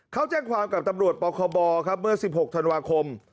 เขาแจ้งความกับตำรวจปคบครับเมื่อ๑๖ธันวาคม